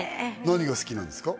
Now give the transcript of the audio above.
何が好きなんですか？